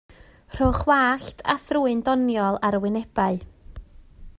Rhowch wallt a thrwyn doniol ar y wynebau.